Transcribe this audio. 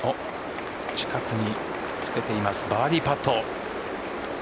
近くにつけていますバーディーパット。